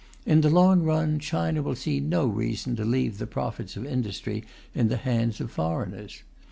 In the long run, China will see no reason to leave the profits of industry in the hands of foreigners.